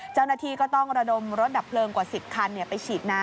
เจ้าหน้าทีก็ต้องระดมรถดับเพลิงกว่า๑๐คันเนี่ย